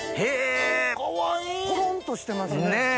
コロンとしてますね。